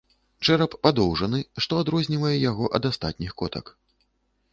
Чэрап падоўжаны, што адрознівае яго ад астатніх котак.